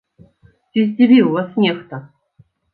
Ці здзівіў вас нехта?